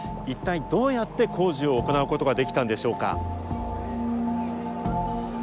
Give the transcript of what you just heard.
一体どうやって工事を行うことができたのでしょうか。